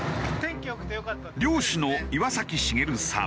漁師の岩崎茂さん。